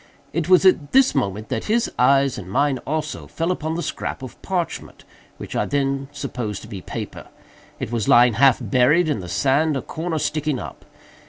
It was at this moment that his eyes, and mine also, fell upon the scrap of parchment, which I then supposed to be paper. It was lying half buried in the sand, a corner sticking up.